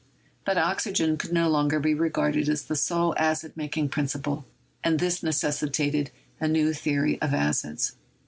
But oxygen could no longer be regarded as the sole acid making principle, and this necessitated a new theory of acids.